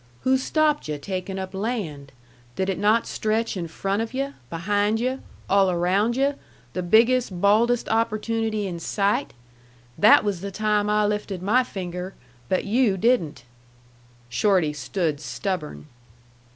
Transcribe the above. "Who stopped yu' taking up land? Did it not stretch in front of yu', behind yu', all around yu', the biggest, baldest opportunity in sight? That was the time I lifted my finger; but yu' didn't." Shorty stood stubborn.